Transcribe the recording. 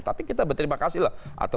tapi kita berterima kasih lah atau